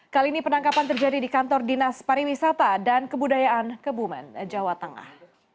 kali ini penangkapan terjadi di kantor dinas pariwisata dan kebudayaan kebumen jawa tengah